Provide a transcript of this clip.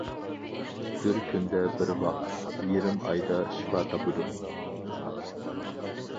بىر كۈندە بىر ۋاق، يېرىم ئايدا شىپا تاپىدۇ.